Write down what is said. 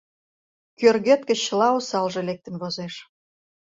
Кӧргет гыч чыла осалже лектын возеш.